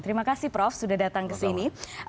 terima kasih prof sudah datang ke sini